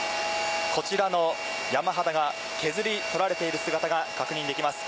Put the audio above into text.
こちらの山肌が削り取られている姿が確認できます。